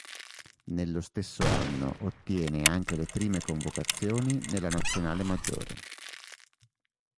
Nello stesso anno ottiene anche le prime convocazioni nella nazionale maggiore.